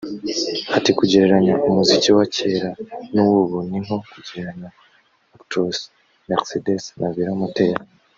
Ati “Kugerereranya umuziki wa kera n’uwubu ni nko kugereranya Actros Mercedes na Velo moteur